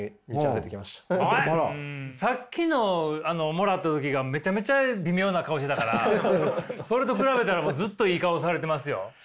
さっきのもらった時がめちゃめちゃ微妙な顔してたからそれと比べたらもうずっといい顔されてますよ。